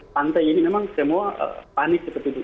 pantai ini memang semua panik seperti itu